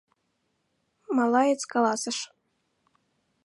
— малаец каласыш.